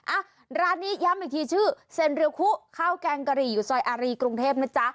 อ่ะร้านนี้ย้ำอีกทีชื่อเซ็นเรียคุข้าวแกงกะหรี่อยู่ซอยอารีกรุงเทพนะจ๊ะ